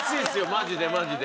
マジでマジで。